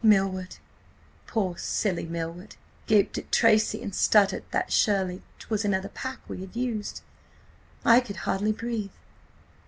"Milward–poor, silly Milward–gaped at Tracy and stuttered that surely 'twas another pack we had used. I could hardly breathe!